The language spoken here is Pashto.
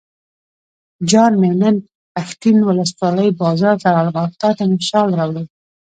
جان مې نن پښتین ولسوالۍ بازار ته لاړم او تاته مې شال راوړل.